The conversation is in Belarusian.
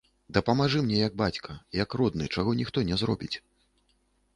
Дапамажы мне, як бацька, як родны, чаго ніхто не зробіць.